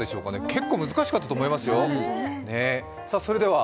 結構難しかったと思いますよ。